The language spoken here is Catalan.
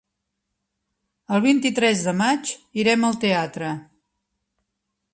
El vint-i-tres de maig irem al teatre.